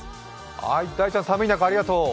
大ちゃん、寒い中ありがとう！